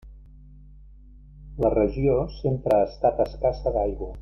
La regió sempre ha estat escassa d'aigua.